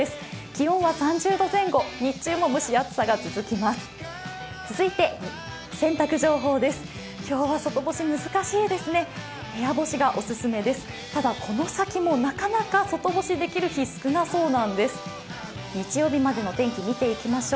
気温は３０度前後、日中も蒸し暑さが続きます。